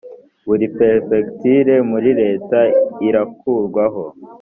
buri perefegitura muri leta irakurwaho